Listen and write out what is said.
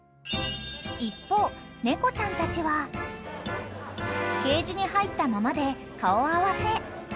［一方猫ちゃんたちはケージに入ったままで顔合わせ］